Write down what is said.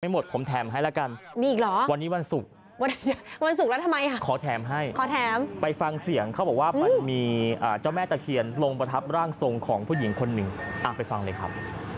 ไม่หมดผมแถมให้ละกันวันนี้วันศุกร์ขอแถมให้ไปฟังเสียงเขาบอกว่ามีเจ้าแม่ตะเขียนลงประทับร่างทรงของผู้หญิงคนหนึ่งไปฟังเลยครับ